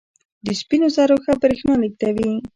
د سپینو زرو ښه برېښنا لېږدوي.